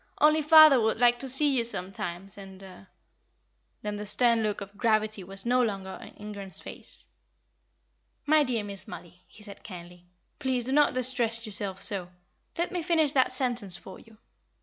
Only father would like to see you sometimes and " Then the stern look of gravity was no longer on Ingram's face. "My dear Miss Mollie," he said, kindly, "please do not distress yourself so. Let me finish that sentence for you.